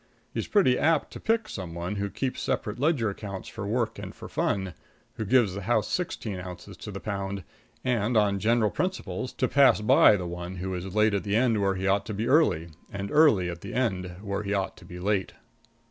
He's pretty apt to pick some one who keeps separate ledger accounts for work and for fun, who gives the house sixteen ounces to the pound, and, on general principles, to pass by the one who is late at the end where he ought to be early, and early at the end where he ought to be late.